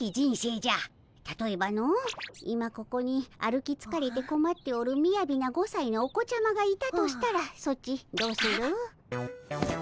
たとえばの今ここに歩きつかれてこまっておるみやびな５さいのお子ちゃまがいたとしたらソチどうする？あっ。